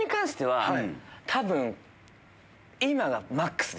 多分。